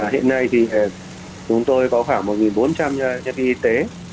hiện nay thì chúng tôi có khoảng một bốn trăm linh nhân viên y tế